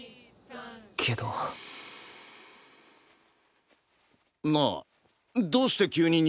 けどなあどうして急に入部。